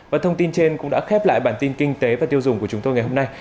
và thông tin trên cũng đã khép lại bản tin kinh tế và tiêu dùng của chúng tôi ngày hôm nay